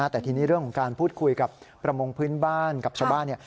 แต่ทีนี้เรื่องของการพูดคุยกับประมงพื้นบ้านกับชาวบ้าน